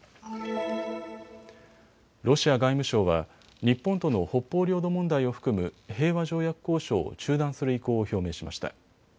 ロシア外務省は日本との北方領土問題を含む平和条約交渉を中断する意向を表明しました。